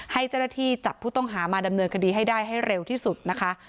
ให้เจ้าหน้าที่จับผู้ต้องหามาดำเนินคดีให้ได้ให้เร็วที่สุดนะคะ